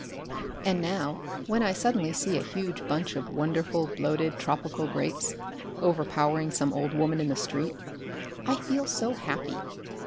And now, when I suddenly see a huge bunch of wonderful bloated tropical grapes, overpowering some old woman in the street, I feel so happy!